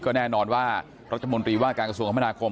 แน่นอนว่ารัฐมนตรีว่าการกระทรวงคมนาคม